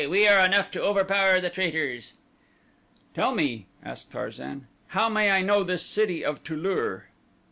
We are enough to overpower the traitors." "Tell me," asked Tarzan, "how I may know this city of Tu lur?"